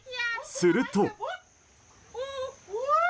すると。